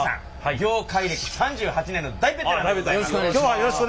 業界歴３８年の大ベテランでございます。